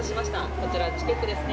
こちらチケットですね。